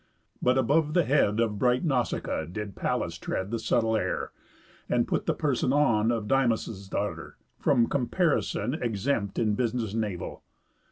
But above the head Of bright Nausicaa did Pallas tread The subtle air, and put the person on Of Dymas' daughter, from comparison Exempt in business naval.